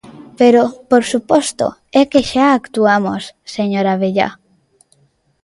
Pero, por suposto, é que xa actuamos, señor Abellá.